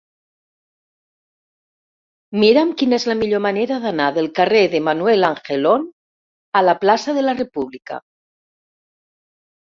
Mira'm quina és la millor manera d'anar del carrer de Manuel Angelon a la plaça de la República.